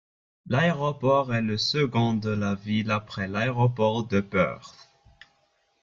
L'aéroport est le second de la ville après l'aéroport de Perth.